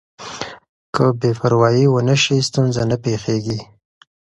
که بې پروايي ونه شي ستونزه نه پېښېږي.